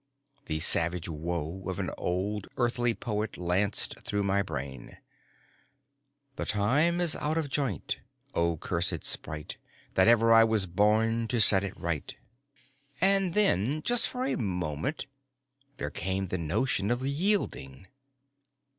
The savage woe of an old Earthly poet lanced through my brain: The time is out of joint O cursèd spite, That ever I was born To set it right! And then, for just a moment, there came the notion of yielding.